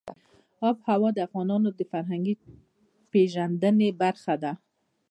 آب وهوا د افغانانو د فرهنګي پیژندنې برخه ده.